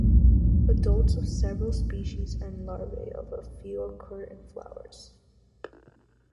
Adults of several species and larvae of a few occur in flowers.